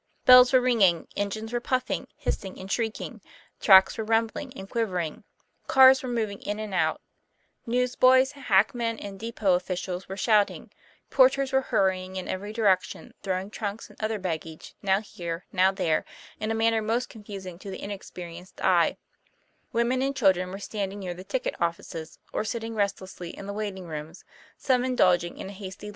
Bells were ringing, engines were puffing, hissing, and shrieking, tracks were rumbling and quivering; cars were moving in and out; newsboys, hackmen, and depot officials were shouting, porters were hurry ing in every direction throwing trunks and other baggage, now here, now there, in a manner most con fusing to the inexperienced eye; women and children were standing near the ticket offices, or sitting rest lessly in the waiting rooms, some indulging in a hasty TOM PLA YFAIR.